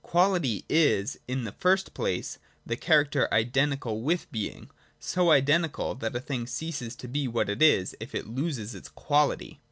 Quality is, in the first place, the character identical with being : so identical, that a thing ceases to be what it is, if it loses its quality.